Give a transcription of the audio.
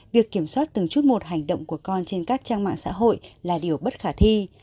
việc kiểm soát từng chút một hành động của con trên các trang mạng xã hội là điều bất khả thi